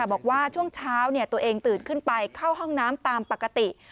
บอกว่าช่วงเช้าตัวเองตื่นขึ้นไปเข้าห้องน้ำตามปกติ